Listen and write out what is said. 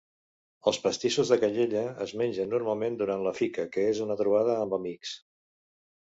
Els pastissos de canyella es mengen normalment durant la Fika, que és una trobada amb amics.